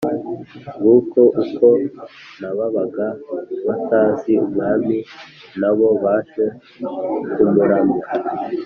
Nguko uko n’ababaga batazi umwami na bo baje kumuramya,